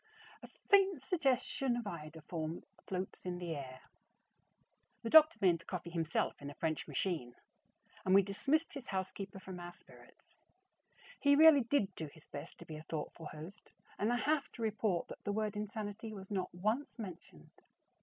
A faint suggestion of iodoform floats in the air. The doctor made the coffee himself in a French machine, and we dismissed his housekeeper from our spirits. He really did do his best to be a thoughtful host and I have to report that the word "insanity" was not once mentioned.